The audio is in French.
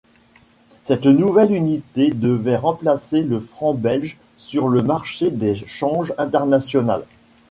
Cette nouvelle unité devait remplacer le franc belge sur le marché des changes international.